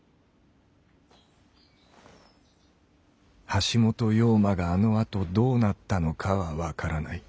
「橋本陽馬」があのあとどうなったのかは分からない。